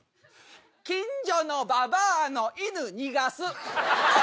近所のばばあの犬逃がす。